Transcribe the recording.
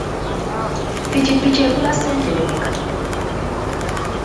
Ppikipiki egula ssente mmeka?